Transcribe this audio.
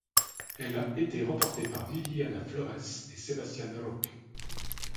Elle a été remportée par Viviana Flores et Sebastián Roca.